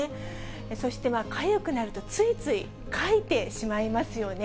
そしてかゆくなると、ついつい、かいてしまいますよね。